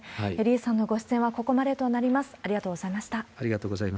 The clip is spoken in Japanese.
李さんのご出演はここまでとなりありがとうございました。